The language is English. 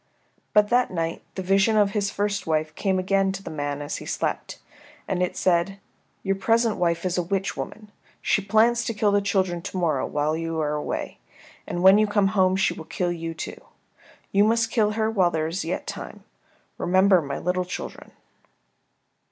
But that night the vision of his first wife came again to the man as he slept, and it said, "Your present wife is a witch woman. She plans to kill the children to morrow when you are away, and when you come home she will kill you, too. You must kill her while there is yet time. Remember my little children."